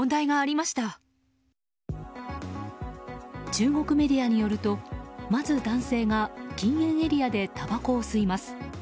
中国メディアによるとまず男性が禁煙エリアでたばこを吸います。